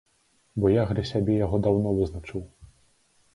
Бо я для сябе яго даўно вызначыў.